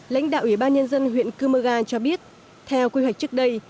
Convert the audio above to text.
lãnh đạo ủy ban nhân dân huyện cơ mơ ga cho biết theo quy hoạch trước đây